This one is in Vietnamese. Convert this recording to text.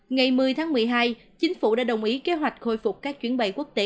ngày một mươi tháng một mươi hai chính phủ đã đồng ý kế hoạch khôi phục các chuyến bay quốc tế